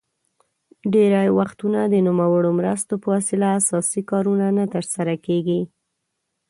ډیری وختونه د نوموړو مرستو په وسیله اساسي کارونه نه تر سره کیږي.